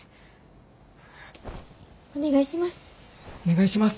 お願いします！